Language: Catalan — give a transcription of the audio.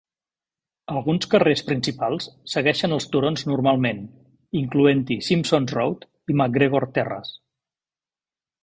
Alguns carrers principals segueixen els turons normalment, incloent-hi Simpsons Road i Macgregor Terrace.